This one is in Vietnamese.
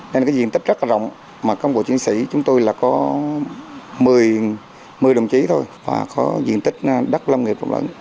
đây là diện tích rất rộng mà công bộ chiến sĩ chúng tôi là có một mươi đồng chí thôi và có diện tích đắt lâm nghiệp rộng lẫn